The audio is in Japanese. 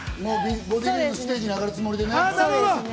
ボディビルのステージに上がるつもりでね。